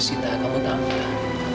sita kamu tahu kan